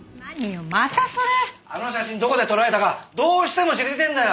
あの写真どこで撮られたかどうしても知りてえんだよ。